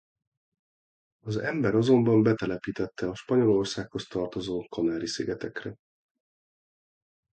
Az ember azonban betelepítette a Spanyolországhoz tartozó Kanári-szigetekre.